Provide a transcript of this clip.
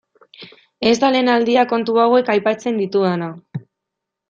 Ez da lehen aldia kontu hauek aipatzen ditudana.